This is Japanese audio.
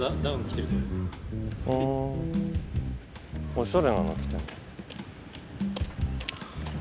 おしゃれなの着て。